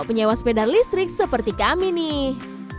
penyewa sepeda listrik seperti kami nih